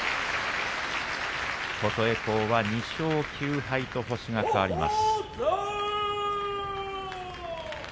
琴恵光は２勝９敗と星が変わります。